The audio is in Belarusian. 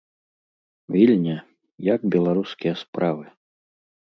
Вільня, як беларускія справы?